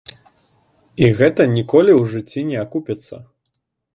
І гэта ніколі ў жыцці не акупіцца.